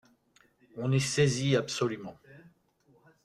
On est saisi absolument.